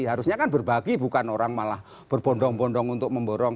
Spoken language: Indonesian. harusnya kan berbagi bukan orang malah berbondong bondong untuk memborong